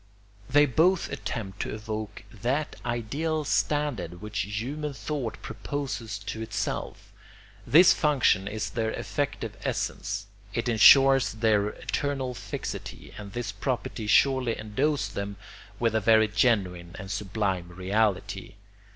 They both attempt to evoke that ideal standard which human thought proposes to itself. This function is their effective essence. It insures their eternal fixity, and this property surely endows them with a very genuine and sublime reality.